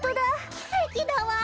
きせきだわ。